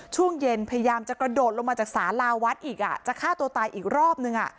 ช่วงเย็นพยายามจะกระโดดลงมาจากสาราวัดอีกจะฆ่าตัวตายอีกรอบนึง